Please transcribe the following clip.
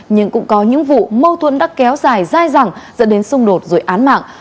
nhưng cũng có những vụ mâu thuẫn đã kéo dài dai dẳng dẫn đến xung đột rồi án mạng